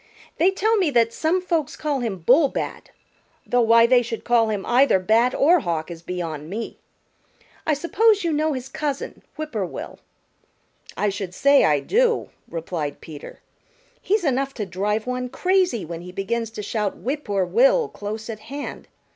They tell me that some folks call him Bullbat, though why they should call him either Bat or Hawk is beyond me. I suppose you know his cousin, Whip poor will." "I should say I do," replied Peter. "He's enough to drive one crazy when he begins to shout 'Whip poor Will' close at hand.